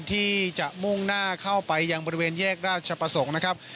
ที่จะมุ่งหน้าเข้าไปยังบริเวณแยกราชประสงค์นะครับ